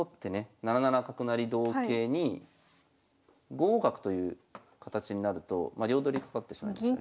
７七角成同桂に５五角という形になると両取りかかってしまいますよね。